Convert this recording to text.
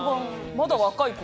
まだ若い頃。